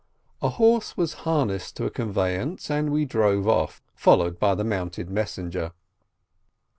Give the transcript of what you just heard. A horse was harnessed to a conveyance, and we drove off, followed by the mounted messenger.